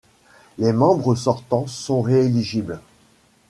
Les membres sortant sont rééligibles.